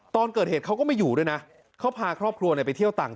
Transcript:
ตอนเกิดเหตุเขาก็ไม่อยู่ด้วยนะเขาพาครอบครัวไปเที่ยวต่าง